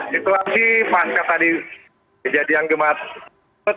situasi pasca tadi kejadian gempa